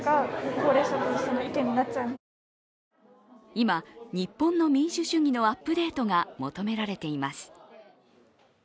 今、日本の民主主義のアップデートが求められています。